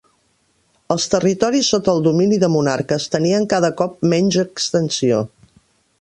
Els territoris sota el domini de monarques tenien cada cop menys extensió.